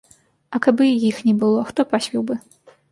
А каб і іх не было, хто пасвіў бы?